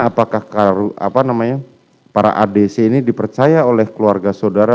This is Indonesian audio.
apakah para adc ini dipercaya oleh keluarga saudara